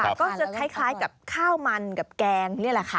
มันก็จะคล้ายกับข้าวมันกับแกงนี่แหละค่ะ